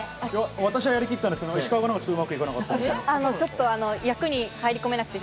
私は、やりきったんですけど、石川がうまくいかなかったって。